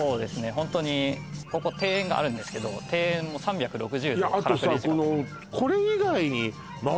ホントにここ庭園があるんですけど庭園も３６０度からくり仕掛けであとさ